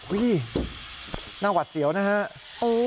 อุ๊ยหน้าหวัดเสียวนะครับ